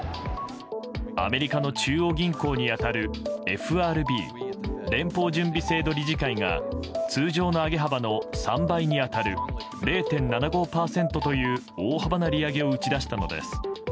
アメリカの中央銀行に当たるＦＲＢ・連邦準備制度理事会が通常の上げ幅の３倍に当たる０．７５％という大幅な利上げを打ち出したのです。